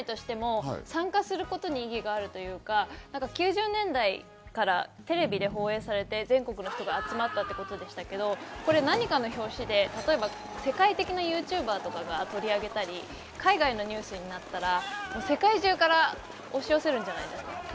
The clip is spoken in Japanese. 福男・福女に選ばれないとしても参加する事に意義があるというか、９０年代からテレビで放映されて全国の人が集まったって事でしたけど、何かの拍子で世界的なＹｏｕＴｕｂｅｒとかが取り上げたり、海外のニュースになったら、世界中から押し寄せるんじゃないかなって。